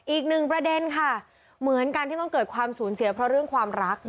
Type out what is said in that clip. อีกหนึ่งประเด็นค่ะเหมือนกันที่ต้องเกิดความสูญเสียเพราะเรื่องความรัก